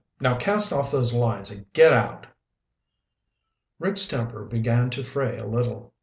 Now cast off those lines and get out." Rick's temper began to fray a little.